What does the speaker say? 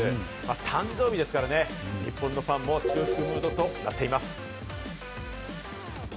誕生日ですからね、日本のファンも祝福ムードとなっています。